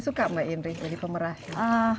suka mbak endri jadi pemerah